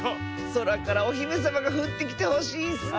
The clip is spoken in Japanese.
そらからおひめさまがふってきてほしいッスね！